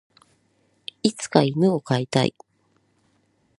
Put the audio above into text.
いつか犬を飼いたい。